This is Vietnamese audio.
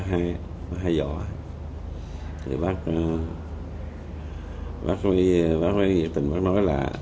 thì bác bác mới bác mới bác nói là